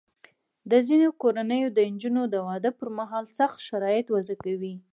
د ځینو کورنیو د نجونو د واده پر مهال سخت شرایط وضع کوي.